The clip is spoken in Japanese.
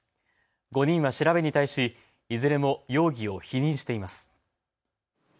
５人は調べに対しいずれも容疑を否認しています。